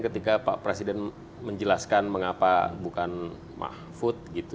ketika pak presiden menjelaskan mengapa bukan mahfud gitu